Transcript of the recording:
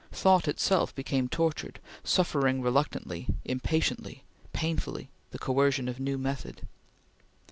Thought itself became tortured, suffering reluctantly, impatiently, painfully, the coercion of new method.